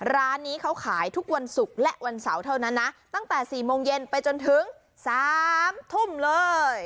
ร้านนี้เขาขายทุกวันศุกร์และวันเสาร์เท่านั้นนะตั้งแต่๔โมงเย็นไปจนถึง๓ทุ่มเลย